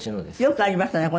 よくありましたね